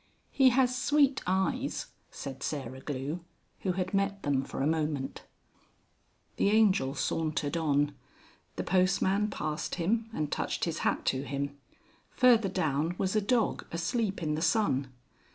"He has sweet eyes," said Sarah Glue, who had met them for a moment. The Angel sauntered on. The postman passed him and touched his hat to him; further down was a dog asleep in the sun.